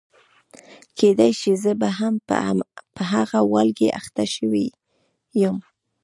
کېدای شي زه به هم په هغه والګي اخته شوې یم.